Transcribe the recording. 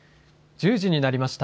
１０時になりました。